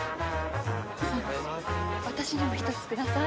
私にも１つください。